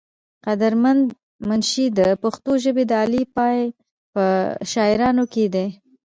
قدر مند منشي د پښتو ژبې د اعلى پائي پۀ شاعرانو کښې دے ۔